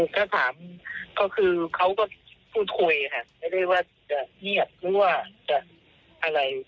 ถ้าถามเขาคือเขาว่าพูดคุยไม่ได้ว่าเสียรู้ว่าอะไร